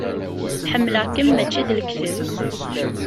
Ḥemmleɣ-kem mačči d lekdeb.